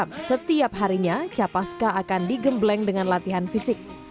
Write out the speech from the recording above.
kurang lebih delapan jam setiap harinya capaska akan digembleng dengan latihan fisik